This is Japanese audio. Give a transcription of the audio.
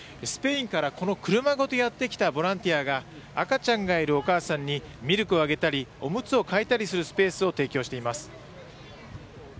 スペインからこの車ごとやってきたボランティアが赤ちゃんがいるお母さんにミルクをあげたりおむつを替えたりするスペースを提供しています。